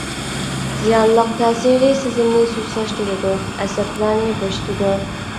زىيانلىق تەسىرى سېزىمنى سۇسلاشتۇرىدۇ، ئەسەبلەرنى بوشىتىدۇ.